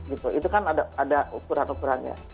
itu kan ada ukuran ukurannya